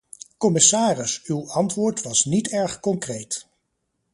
Commissaris, uw antwoord was niet erg concreet.